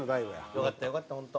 よかったよかった本当。